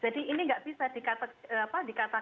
jadi ini nggak bisa dikatakan ini bagian dari